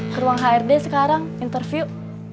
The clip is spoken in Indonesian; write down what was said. ke ruang hrd sekarang interview